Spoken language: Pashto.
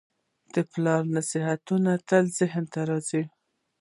د پلار نصیحتونه تل ذهن ته راځي.